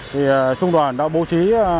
thì trung đoàn đã bố trí